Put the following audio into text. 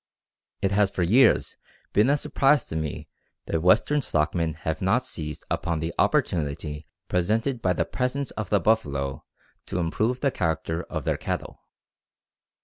It has for years been a surprise to me that Western stockmen have not seized upon the opportunity presented by the presence of the buffalo to improve the character of their cattle.